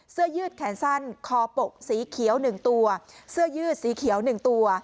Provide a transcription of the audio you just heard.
เสื้อยืดแขนสั้นคอปกสีเขียวหนึ่งตัว